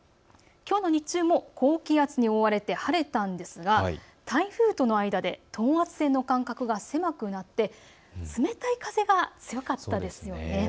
きょうの日中も高気圧に覆われて晴れたんですが台風との間で等圧線の間隔が狭くなって冷たい風が強かったですよね。